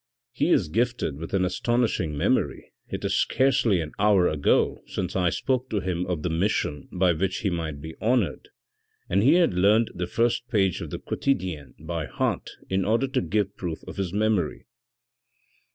"He is gifted with an astonishing memory ; it is scarcely an hour ago since I spoke to him of the mission by which he might be honoured, and he has learned the first page of the Quotidienne by heart in order to give proof of his memory."